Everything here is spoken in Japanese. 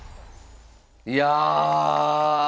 いや。